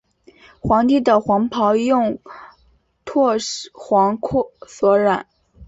皇帝的黄袍用柘黄所染。